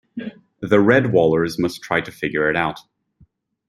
The Redwallers must try to figure it out...